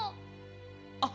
あっ！